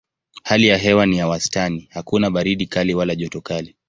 Hali ya hewa ni ya wastani: hakuna baridi kali wala joto kali.